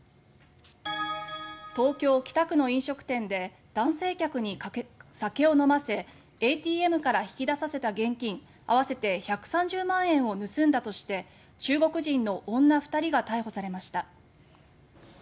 東京・北区の飲食店で男性客に酒を飲ませＡＴＭから引き出させた現金合わせて１３０万円を盗んだとして中国人の女２人が逮捕されました。